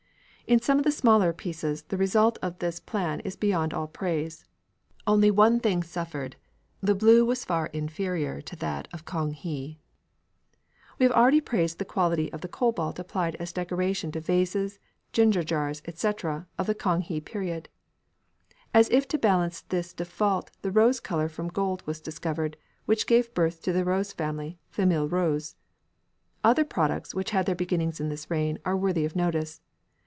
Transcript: In some of the smaller pieces the result of this plan is beyond all praise. Only one product suffered. The blue was far inferior to that of Kang he. We have already praised the quality of the cobalt applied as decoration to vases, ginger jars, &c., of the Kang he period. As if to balance this default the rose colour from gold was discovered, which gave birth to the rose family, "famille rose." Other products which had their beginnings in this reign are worthy of notice.